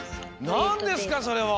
なんですかそれは！